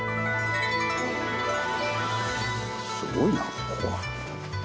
すごいなここは。